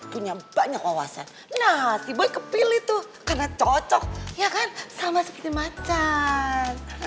punya banyak wawasan nah tiba kepilih tuh karena cocok ya kan sama seperti macan